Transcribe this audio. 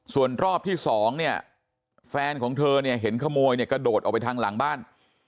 ส่วนรอบที่สองเนี่ยแฟนของเธอเนี่ยเห็นขโมยเนี่ยกระโดดออกไปทางหลังบ้าน